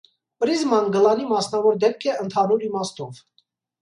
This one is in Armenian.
Պրիզման գլանի մասնավոր դեպք է ընդհանուր իմաստով։